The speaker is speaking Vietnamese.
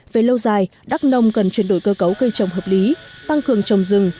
về lâu dài đắk nông cần chuyển đổi cơ cấu cây trồng hợp lý tăng cường trồng rừng